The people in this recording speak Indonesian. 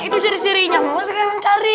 itu ciri cirinya mau sekarang cari